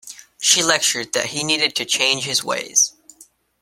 She lectured that he needed to change his ways.